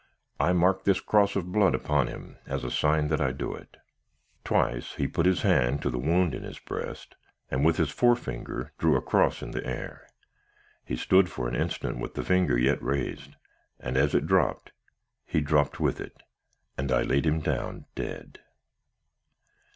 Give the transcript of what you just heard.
I mark this cross of blood upon him; as a sign that I do it.' "Twice, he put his hand to the wound in his breast, and with his forefinger drew a cross in the air. He stood for an instant with the finger yet raised, and as it dropped, he dropped with it, and I laid him down dead.